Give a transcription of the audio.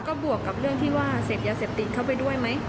ก็บวกกับเรื่องที่ว่าเสพยาเสพติดเข้าไปด้วยไหม